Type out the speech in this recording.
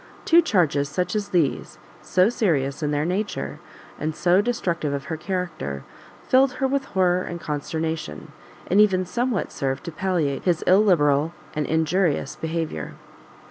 Two charges such as these, so serious in their nature, and so destructive of her character, filled her with horror and consternation, and even somewhat served to palliate his illiberal and injurious behaviour.